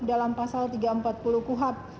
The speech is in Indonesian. dalam pasal tiga ratus empat puluh kuhap